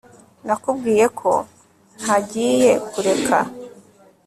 Nakubwiye ko ntagiye kureka